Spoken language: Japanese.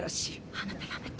あなたやめて。